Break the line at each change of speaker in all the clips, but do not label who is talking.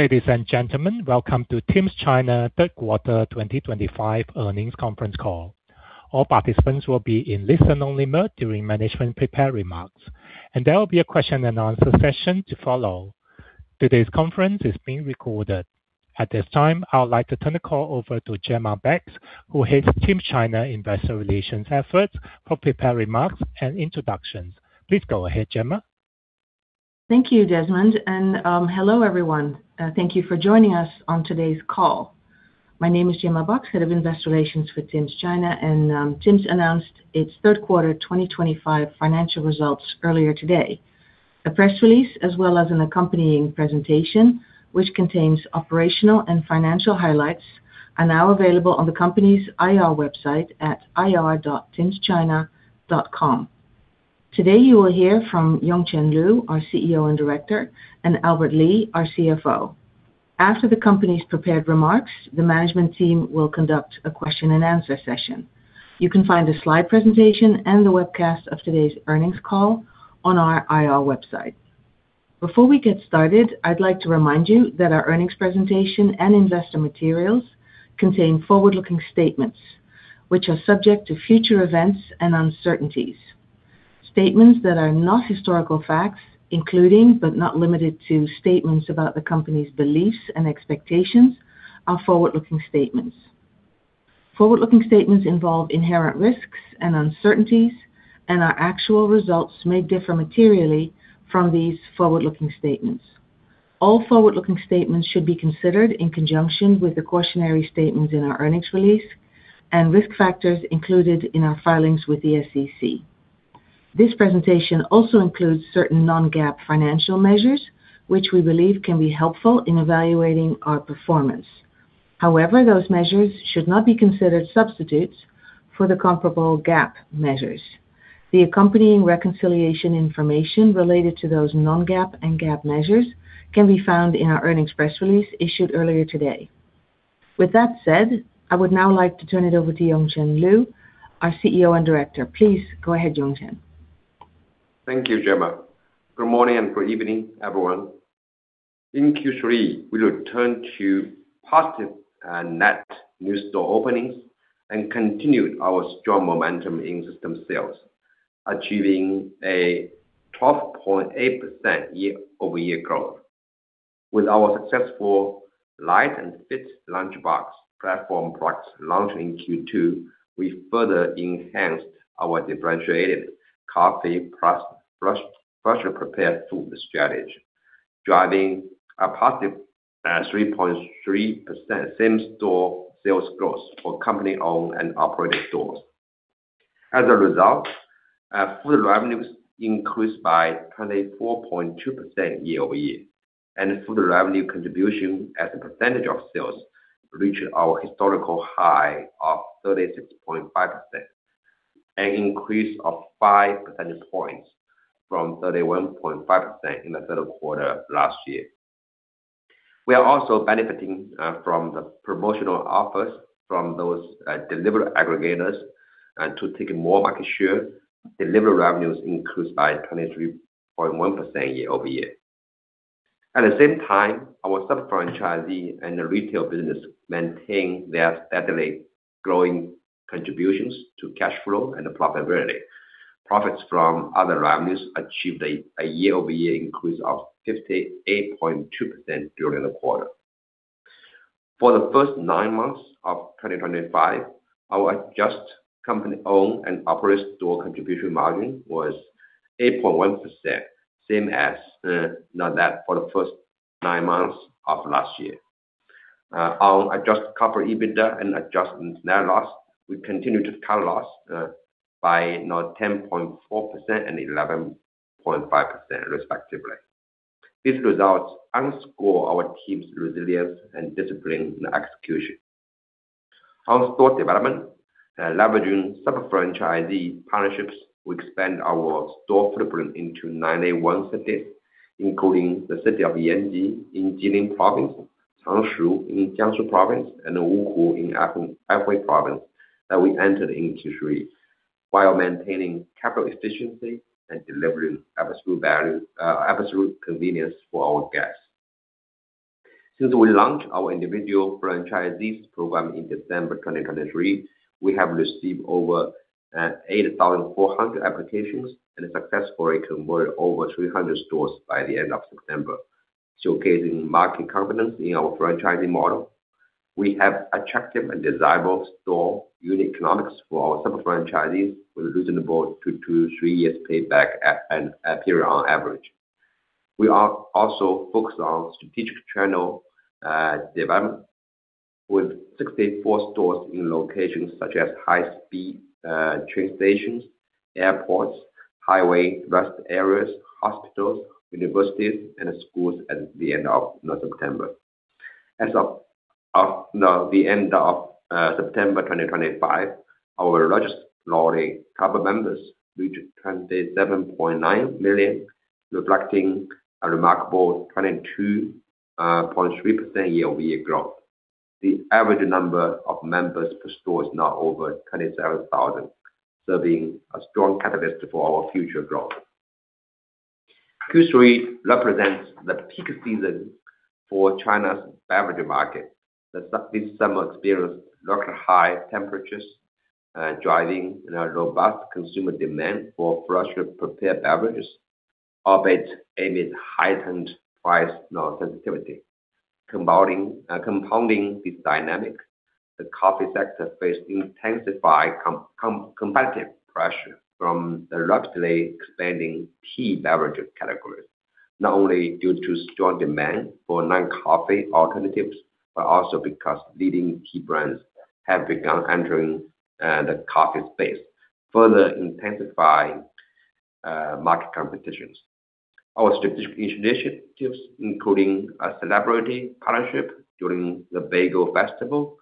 Ladies and gentlemen, welcome to Tims China Third Quarter 2025 Earnings Conference Call. All participants will be in listen-only mode during management's prepared remarks, and there will be a question-and-answer session to follow. Today's conference is being recorded. At this time, I would like to turn the call over to Gemma Bakx, who heads Tims China Investor Relations efforts for prepared remarks and introductions. Please go ahead, Gemma.
Thank you, Desmond, and hello everyone. Thank you for joining us on today's call. My name is Gemma Bakx, Head of Investor Relations for Tims China, and Tims announced its Third Quarter 2025 Financial Results earlier today. The press release, as well as an accompanying presentation which contains operational and financial highlights, are now available on the company's IR website at ir.timschina.com. Today you will hear from Yongchen Lu, our CEO and Director, and Albert Li, our CFO. After the company's prepared remarks, the management team will conduct a question-and-answer session. You can find the slide presentation and the webcast of today's earnings call on our IR website. Before we get started, I'd like to remind you that our earnings presentation and investor materials contain forward-looking statements which are subject to future events and uncertainties. Statements that are not historical facts, including but not limited to statements about the company's beliefs and expectations, are forward-looking statements. Forward-looking statements involve inherent risks and uncertainties, and our actual results may differ materially from these forward-looking statements. All forward-looking statements should be considered in conjunction with the cautionary statements in our earnings release and risk factors included in our filings with the SEC. This presentation also includes certain non-GAAP financial measures which we believe can be helpful in evaluating our performance. However, those measures should not be considered substitutes for the comparable GAAP measures. The accompanying reconciliation information related to those non-GAAP and GAAP measures can be found in our earnings press release issued earlier today. With that said, I would now like to turn it over to Yongchen Lu, our CEO and Director. Please go ahead, Yongchen.
Thank you, Gemma. Good morning and good evening, everyone. In Q3, we returned to positive net new store openings and continued our strong momentum in system sales, achieving a 12.8% year-over-year growth. With our successful light and fit lunchbox platform products launched in Q2, we further enhanced our differentiated coffee plus freshly prepared food strategy, driving a positive 3.3% same-store sales growth for company-owned and operated stores. As a result, food revenues increased by 24.2% year-over-year, and food revenue contribution as a percentage of sales reached our historical high of 36.5%, an increase of 5 percentage points from 31.5% in the third quarter last year. We are also benefiting from the promotional offers from those delivery aggregators to take more market share. Delivery revenues increased by 23.1% year-over-year. At the same time, our sub-franchisee and the retail business maintained their steadily growing contributions to cash flow and profitability. Profits from other revenues achieved a year-over-year increase of 58.2% during the quarter. For the first nine months of 2025, our Adjusted Company-Owned and operated store contribution margin was 8.1%, same as that for the first nine months of last year. Our Adjusted Corporate EBITDA and Adjusted Net Loss, we continued to improve by 10.4% and 11.5%, respectively. These results underscore our team's resilience and discipline in execution. Our store development, leveraging sub-franchisee partnerships, we expand our store footprint into 91 cities, including the city of Yanji in Jilin province, Changshu in Jiangsu province, and Wuhu in Anhui province that we entered in Q3 while maintaining capital efficiency and delivering absolute convenience for our guests. Since we launched our individual franchisees program in December 2023, we have received over 8,400 applications and successfully converted over 300 stores by the end of September, showcasing market confidence in our franchisee model. We have attractive and desirable store unit economics for our sub-franchisees with reasonable two-year to three-year payback period on average. We are also focused on strategic channel development with 64 stores in locations such as high-speed train stations, airports, highway rest areas, hospitals, universities, and schools at the end of September. As of the end of September 2025, our registered loyalty club members reached 27.9 million, reflecting a remarkable 22.3% year-over-year growth. The average number of members per store is now over 27,000, serving a strong catalyst for our future growth. Q3 represents the peak season for China's beverage market. This summer experienced record high temperatures, driving a robust consumer demand for freshly prepared beverages, albeit amid heightened price sensitivity. Compounding this dynamic, the coffee sector faced intensified competitive pressure from the rapidly expanding tea beverage categories, not only due to strong demand for non-coffee alternatives, but also because leading tea brands have begun entering the coffee space, further intensifying market competitions. Our strategic initiatives, including a celebrity partnership during the Bagel Festival,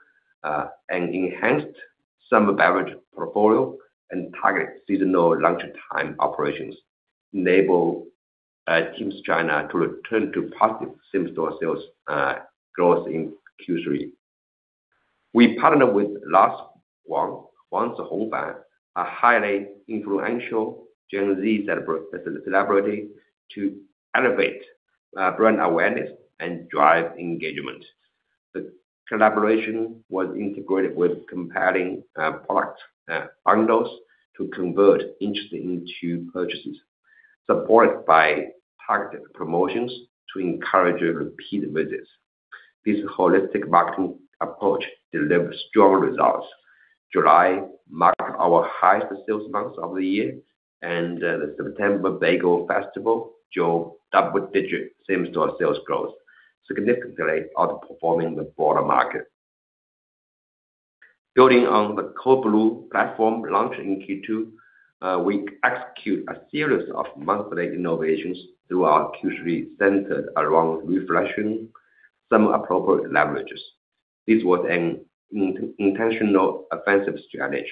and enhanced summer beverage portfolio and targeted seasonal lunchtime operations, enabled Tims China to return to positive same-store sales growth in Q3. We partnered with Wang Xingyue, a highly influential Gen Z celebrity, to elevate brand awareness and drive engagement. The collaboration was integrated with compelling product bundles to convert interest into purchases, supported by targeted promotions to encourage repeat visits. This holistic marketing approach delivered strong results. July marked our highest sales month of the year, and the September Bagel Festival drove double-digit same-store sales growth, significantly outperforming the broader market. Building on the Cold Brew platform launched in Q2, we executed a series of monthly innovations throughout Q3, centered around refreshing some appropriate beverages. This was an intentional offensive strategy,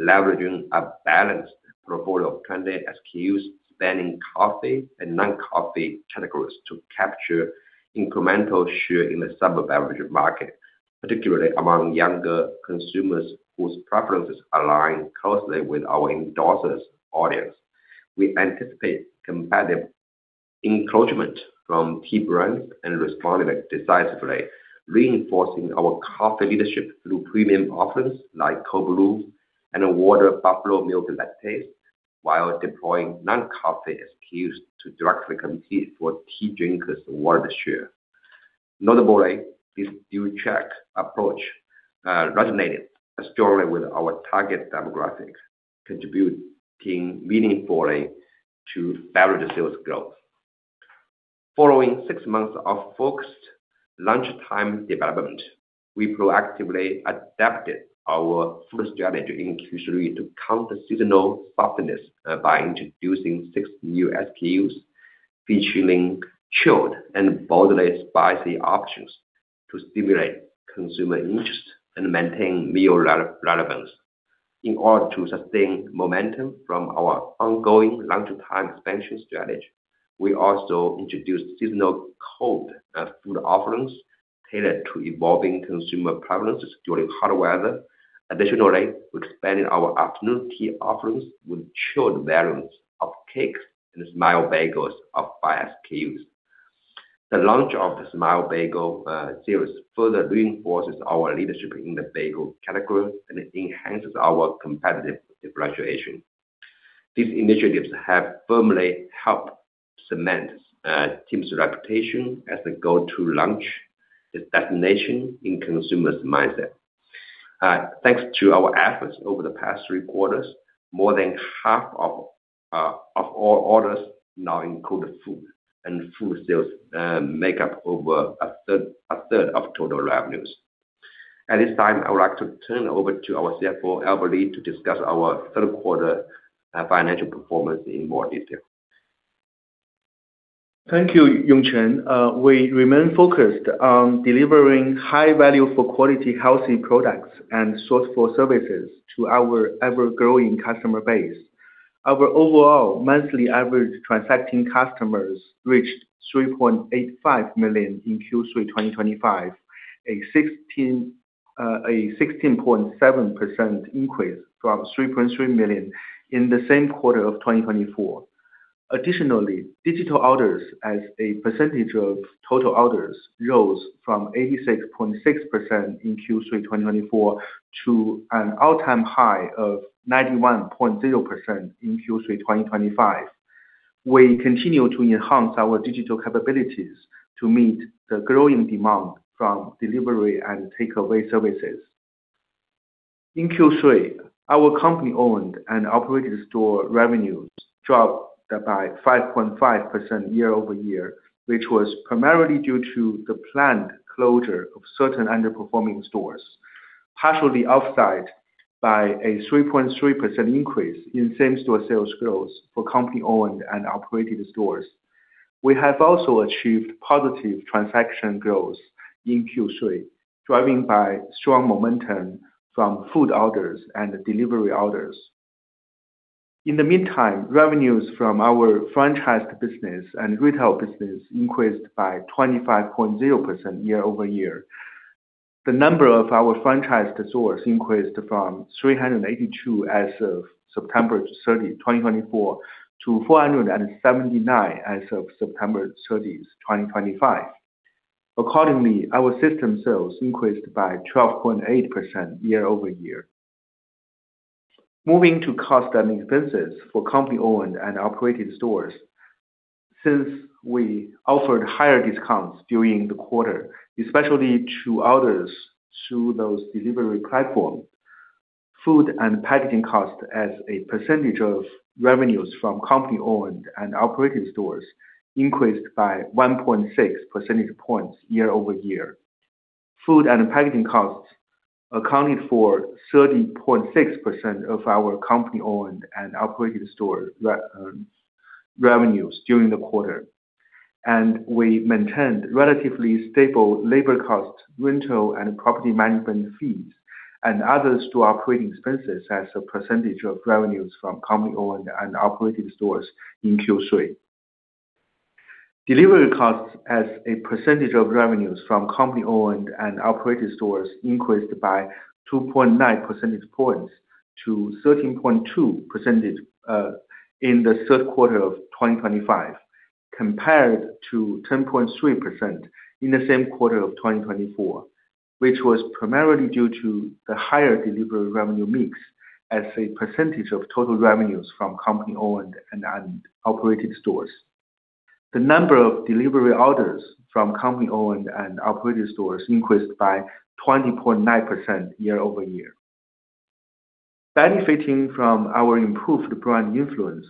leveraging a balanced portfolio of trending SKUs spanning coffee and non-coffee categories to capture incremental share in the summer beverage market, particularly among younger consumers whose preferences align closely with our endorsers' audience. We anticipate competitive encroachment from tea brands and responded decisively, reinforcing our coffee leadership through premium offerings like Cold Brew and Water Buffalo Milk Lattes, while deploying non-coffee SKUs to directly compete for tea drinkers' wallet share. Notably, this dual-track approach resonated strongly with our target demographics, contributing meaningfully to beverage sales growth. Following six months of focused lunchtime development, we proactively adapted our food strategy in Q3 to counter seasonal softness by introducing six new SKUs featuring chilled and boldly spicy options to stimulate consumer interest and maintain meal relevance. In order to sustain momentum from our ongoing lunchtime expansion strategy, we also introduced seasonal cold food offerings tailored to evolving consumer preferences during hot weather. Additionally, we expanded our afternoon tea offerings with chilled variants of cakes and Smile Bagel of five SKUs. The launch of the Smile Bagel series further reinforces our leadership in the bagel category and enhances our competitive differentiation. These initiatives have firmly helped cement Tims' reputation as the go-to lunch destination in consumers' mindset. Thanks to our efforts over the past three quarters, more than half of all orders now include food, and food sales make up over a third of total revenues. At this time, I would like to turn it over to our CFO, Albert Li, to discuss our third quarter financial performance in more detail.
Thank you, Yongchen. We remain focused on delivering high-value for quality healthy products and thoughtful services to our ever-growing customer base. Our overall monthly average transacting customers reached 3.85 million in Q3 2025, a 16.7% increase from 3.3 million in the same quarter of 2024. Additionally, digital orders as a percentage of total orders rose from 86.6% in Q3 2024 to an all-time high of 91.0% in Q3 2025. We continue to enhance our digital capabilities to meet the growing demand from delivery and takeaway services. In Q3, our company-owned and operated store revenues dropped by 5.5% year-over-year, which was primarily due to the planned closure of certain underperforming stores, partially offset by a 3.3% increase in same-store sales growth for company-owned and operated stores. We have also achieved positive transaction growth in Q3, driven by strong momentum from food orders and delivery orders. In the meantime, revenues from our franchise business and retail business increased by 25.0% year-over-year. The number of our franchise stores increased from 382 as of September 30, 2024, to 479 as of September 30, 2025. Accordingly, our system sales increased by 12.8% year-over-year. Moving to costs and expenses for company-owned and operated stores, since we offered higher discounts during the quarter, especially to orders through those delivery platforms, food and packaging costs as a percentage of revenues from company-owned and operated stores increased by 1.6 percentage points year-over-year. Food and packaging costs accounted for 30.6% of our company-owned and operated store revenues during the quarter, and we maintained relatively stable labor costs, rental and property management fees, and other store operating expenses as a percentage of revenues from company-owned and operated stores in Q3. Delivery costs as a percentage of revenues from company-owned and operated stores increased by 2.9 percentage points to 13.2% in the third quarter of 2025, compared to 10.3% in the same quarter of 2024, which was primarily due to the higher delivery revenue mix as a percentage of total revenues from company-owned and operated stores. The number of delivery orders from company-owned and operated stores increased by 20.9% year-over-year. Benefiting from our improved brand influence,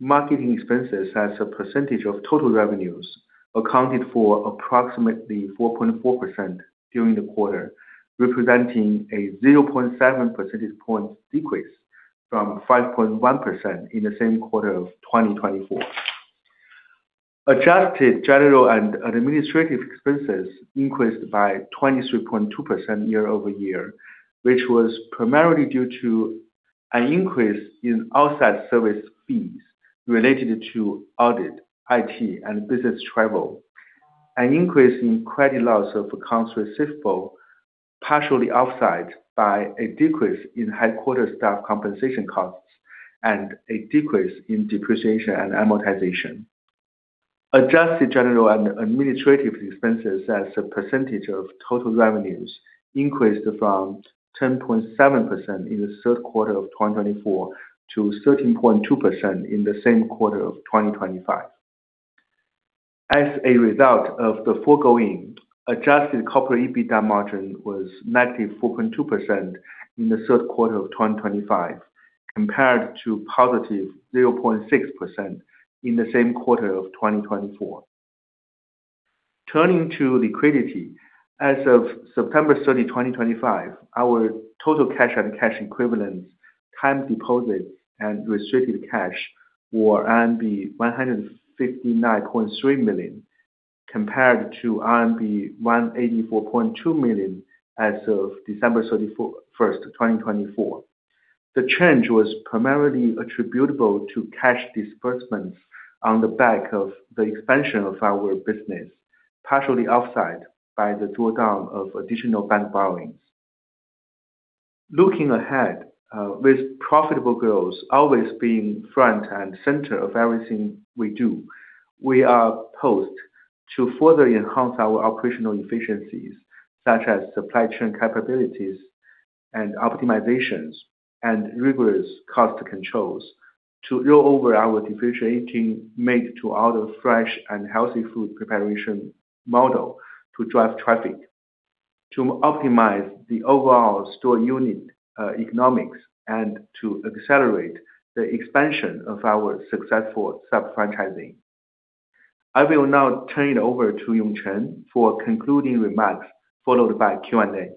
marketing expenses as a percentage of total revenues accounted for approximately 4.4% during the quarter, representing a 0.7 percentage point decrease from 5.1% in the same quarter of 2024. Adjusted General and Administrative Expenses increased by 23.2% year-over-year, which was primarily due to an increase in outside service fees related to audit, IT, and business travel, an increase in credit loss of accounts receivable partially offset by a decrease in headquarters staff compensation costs, and a decrease in depreciation and amortization. Adjusted General and Administrative Expenses as a percentage of total revenues increased from 10.7% in the third quarter of 2024 to 13.2% in the same quarter of 2025. As a result of the foregoing, Adjusted Corporate EBITDA margin was -4.2% in the third quarter of 2025, compared to +0.6% in the same quarter of 2024. Turning to liquidity, as of September 30, 2025, our total cash and cash equivalents, time deposits, and restricted cash were RMB 159.3 million, compared to RMB 184.2 million as of December 31st, 2024. The change was primarily attributable to cash disbursements on the back of the expansion of our business, partially offset by the drawdown of additional bank borrowings. Looking ahead, with profitable growth always being front and center of everything we do, we are poised to further enhance our operational efficiencies, such as supply chain capabilities and optimizations, and rigorous cost controls to roll over our differentiating made to order fresh and healthy food preparation model to drive traffic, to optimize the overall store unit economics, and to accelerate the expansion of our successful sub-franchising. I will now turn it over to Yongchen for concluding remarks, followed by Q&A.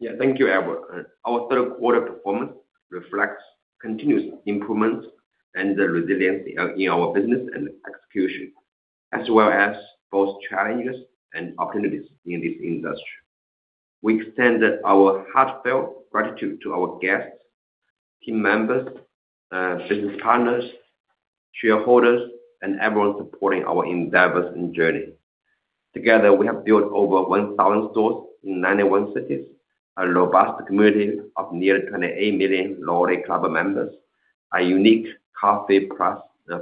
Yeah, thank you, Albert. Our third quarter performance reflects continuous improvements and resilience in our business and execution, as well as both challenges and opportunities in this industry. We extend our heartfelt gratitude to our guests, team members, business partners, shareholders, and everyone supporting our endeavor and journey. Together, we have built over 1,000 stores in 91 cities, a robust community of nearly 28 million [loyalty club] members, a unique coffee plus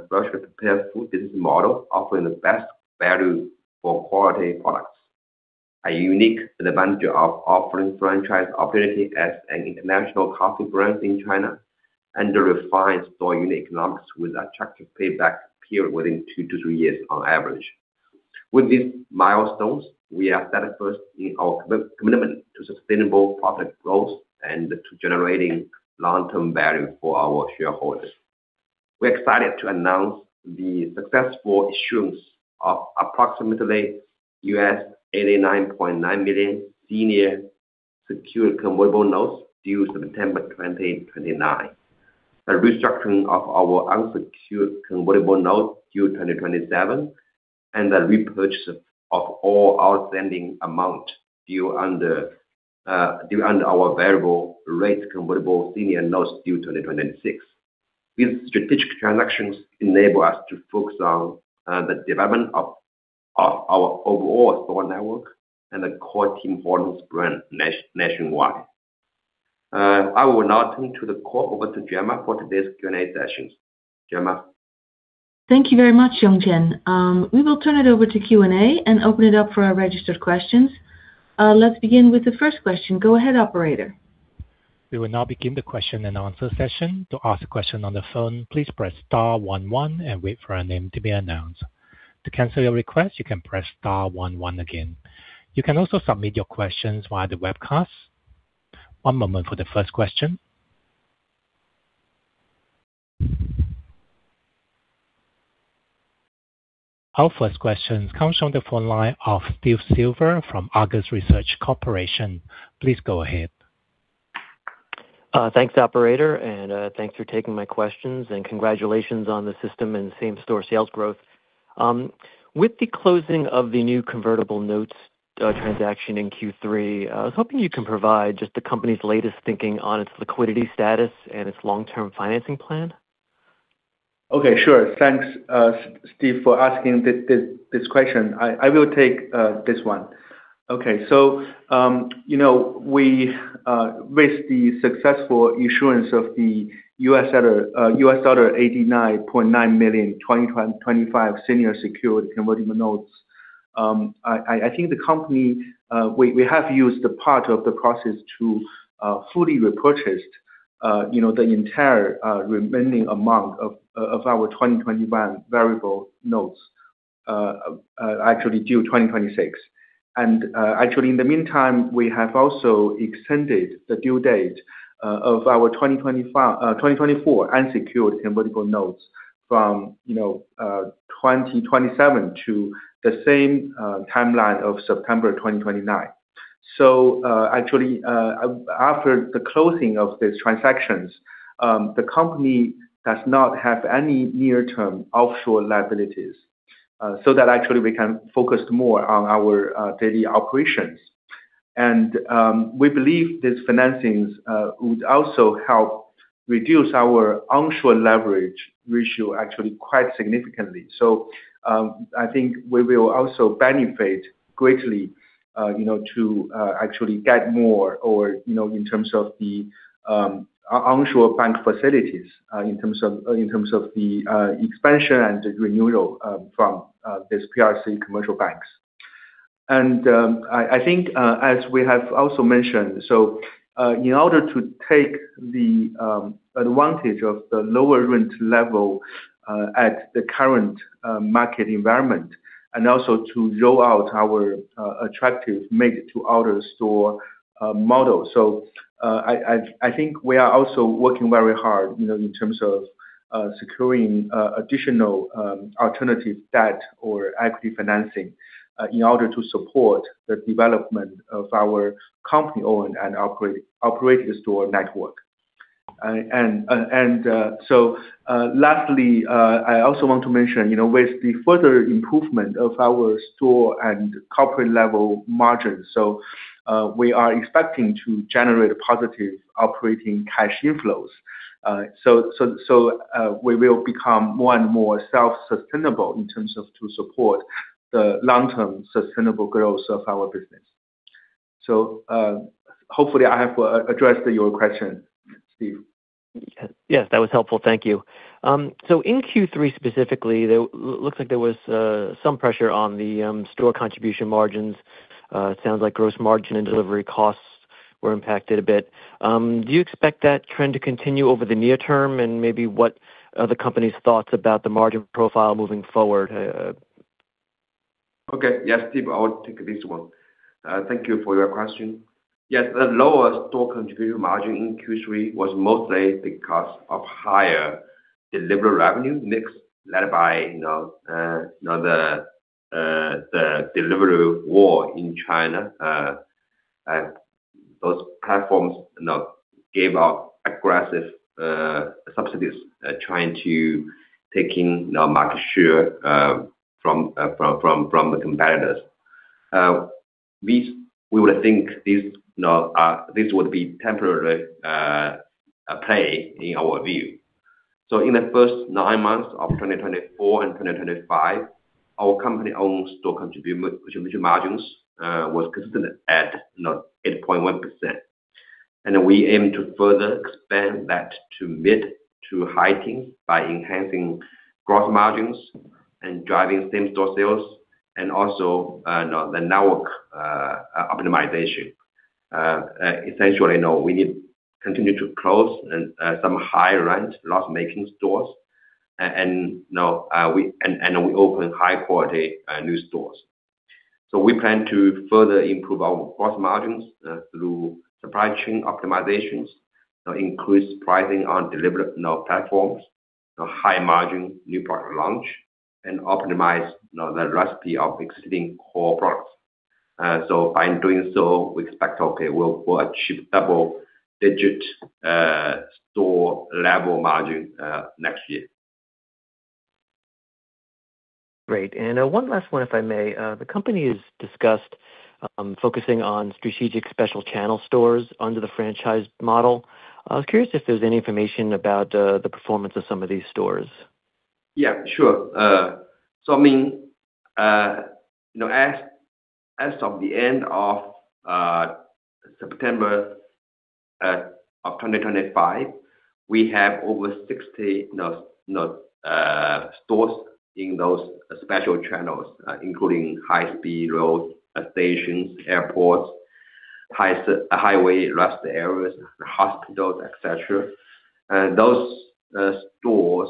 freshly prepared food business model offering the best value for quality products, a unique advantage of offering franchise opportunity as an international coffee brand in China, and refined store unit economics with attractive payback period within two to three years on average. With these milestones, we are steadfast in our commitment to sustainable profit growth and to generating long-term value for our shareholders. We're excited to announce the successful issuance of approximately $89.9 million senior secured convertible notes due September 2029, the restructuring of our unsecured convertible notes due 2027, and the repurchase of all outstanding amounts due under our variable rate convertible senior notes due 2026. These strategic transactions enable us to focus on the development of our overall store network and the core Tims coffee brand nationwide. I will now turn it to the call over to Gemma for today's Q&A session. Gemma.
Thank you very much, Yongchen. We will turn it over to Q&A and open it up for our registered questions. Let's begin with the first question. Go ahead, Operator.
We will now begin the question and answer session. To ask a question on the phone, please press star one one and wait for a name to be announced. To cancel your request, you can press star one one again. You can also submit your questions via the webcast. One moment for the first question. Our first question comes from the phone line of Steve Silver from Argus Research Corporation. Please go ahead.
Thanks, Operator, and thanks for taking my questions, and congratulations on the system and same-store sales growth. With the closing of the new convertible notes transaction in Q3, I was hoping you can provide just the company's latest thinking on its liquidity status and its long-term financing plan.
Okay, sure. Thanks, Steve, for asking this question. I will take this one. Okay, so we raised the successful issuance of the $89.9 million 2025 senior secured convertible notes. I think the company we have used part of the proceeds to fully repurchase the entire remaining amount of our 2021 convertible notes actually due 2026. And actually, in the meantime, we have also extended the due date of our 2024 unsecured convertible notes from 2027 to the same timeline of September 2029. So actually, after the closing of these transactions, the company does not have any near-term offshore liabilities so that actually we can focus more on our daily operations. And we believe this financing would also help reduce our onshore leverage ratio actually quite significantly. I think we will also benefit greatly to actually get more in terms of the onshore bank facilities in terms of the expansion and renewal from these PRC commercial banks. I think, as we have also mentioned, in order to take the advantage of the lower rent level at the current market environment and also to roll out our attractive made-to-order store model, I think we are also working very hard in terms of securing additional alternative debt or equity financing in order to support the development of our company-owned and operated store network. Lastly, I also want to mention with the further improvement of our store and corporate level margins, we are expecting to generate positive operating cash inflows. We will become more and more self-sustainable in terms of supporting the long-term sustainable growth of our business. So hopefully, I have addressed your question, Steve.
Yes, that was helpful. Thank you. So in Q3 specifically, it looks like there was some pressure on the store contribution margins. It sounds like gross margin and delivery costs were impacted a bit. Do you expect that trend to continue over the near term? And maybe what are the company's thoughts about the margin profile moving forward?
Okay, yes, Steve, I will take this one. Thank you for your question. Yes, the lower store contribution margin in Q3 was mostly because of higher delivery revenue mix led by the delivery war in China. Those platforms gave out aggressive subsidies trying to take in market share from the competitors. We would think this would be a temporary play in our view. So in the first nine months of 2024 and 2025, our company-owned store contribution margins were consistent at 8.1%. And we aim to further expand that to mid- to high-teens by enhancing gross margins and driving same-store sales and also the network optimization. Essentially, we need to continue to close some high-rent loss-making stores and we open high-quality new stores. We plan to further improve our gross margins through supply chain optimizations, increase pricing on delivery platforms, high-margin new product launch, and optimize the recipe of existing core products. By doing so, we expect, okay, we'll achieve double-digit store level margin next year.
Great. And one last one, if I may. The company has discussed focusing on strategic special channel stores under the franchise model. I was curious if there's any information about the performance of some of these stores.
Yeah, sure. So I mean, as of the end of September of 2025, we have over 60 stores in those special channels, including high-speed rail, stations, airports, highway rest areas, hospitals, etc. Those stores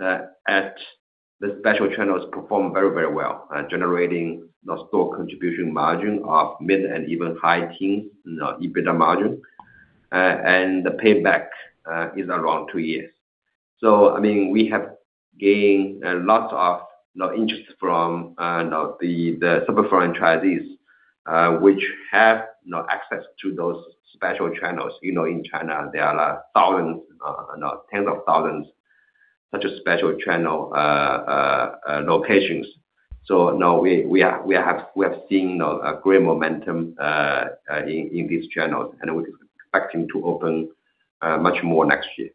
at the special channels perform very, very well, generating store contribution margin of mid- and even high-teens EBITDA margin. And the payback is around two years. So I mean, we have gained lots of interest from the sub-franchisees which have access to those special channels. In China, there are thousands, tens of thousands of such special channel locations. So we have seen great momentum in these channels, and we're expecting to open much more next year.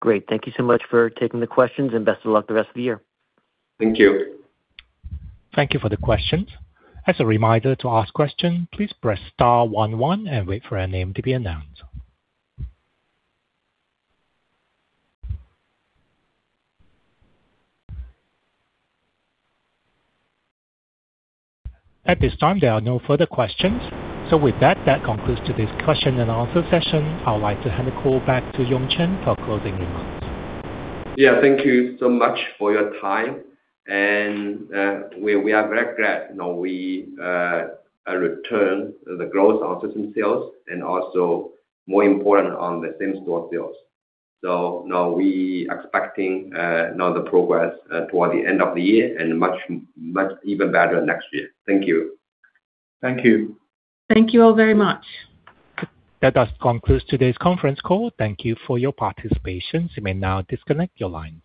Great. Thank you so much for taking the questions, and best of luck the rest of the year.
Thank you.
Thank you for the questions. As a reminder, to ask questions, please press star one one and wait for a name to be announced. At this time, there are no further questions. So with that, that concludes today's question and answer session. I would like to hand the call back to Yongchen for closing remarks.
Yeah, thank you so much for your time. And we are very glad we returned the growth of system sales and also, more important, on the same-store sales. So we are expecting the progress toward the end of the year and even better next year. Thank you.
Thank you.
Thank you all very much.
That does conclude today's conference call. Thank you for your participation. You may now disconnect your lines.